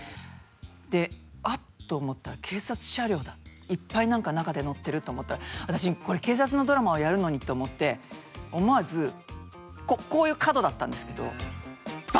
であっと思ったら「警察車両だ」「いっぱいなんか中で乗ってる」と思ったら「私これ警察のドラマをやるのに」と思って思わずこういう角だったんですけど。